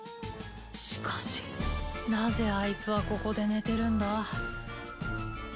しかしなぜあいつはここで寝てるんだ？